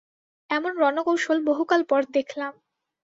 এমন রণকৌশল বহুকাল পর দেখলাম।